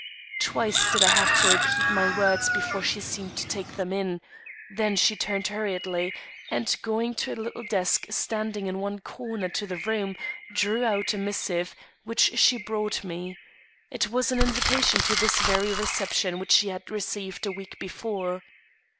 Twice did I have to repeat my words before she seemed to take them in; then she turned hurriedly, and going to a little desk standing in one corner of the room, drew out a missive, which she brought me. It was an invitation to this very reception which she had received a week before.